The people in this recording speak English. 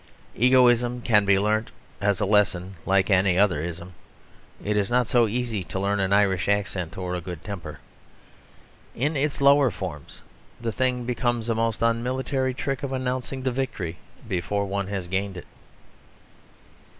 Egoism can be learnt as a lesson like any other "ism." It is not so easy to learn an Irish accent or a good temper. In its lower forms the thing becomes a most unmilitary trick of announcing the victory before one has gained it.